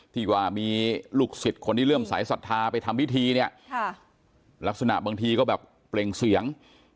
ที่ว่ามีลูกศิษย์คนที่เริ่มสายศรัทธาไปทำพิธีเนี่ยลักษณะบางทีก็แบบเปล่งเสียง